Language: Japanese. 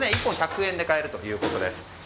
１本１００円で買えるということです。